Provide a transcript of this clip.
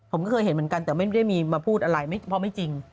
ผมก็เคยเห็นเหมือนกันแต่ไม่ได้มีมาพูดอะไรเพราะไม่จริง